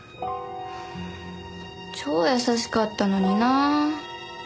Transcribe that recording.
超優しかったのにな。